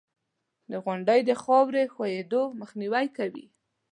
• غونډۍ د خاورې د ښویېدو مخنیوی کوي.